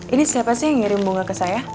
ini siapa sih yang ngirim bunga ke saya